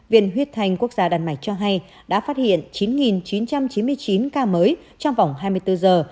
viện huyết thanh quốc gia đan mạch cho hay đã phát hiện chín chín trăm chín mươi chín ca mới trong vòng hai mươi bốn giờ